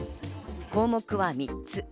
項目は３つ。